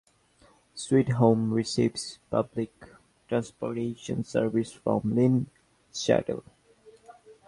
Sweet Home receives public transportation service from Linn Shuttle.